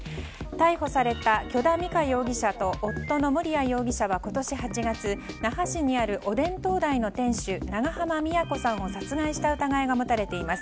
逮捕された許田美香容疑者と夫の盛哉容疑者は今年８月、那珂市にあるおでん東大の店主長濱美也子さんを殺害した疑いが持たれています。